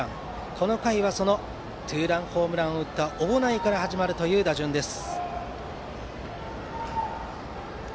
この回はそのツーランホームランを打った小保内から始まる打順です。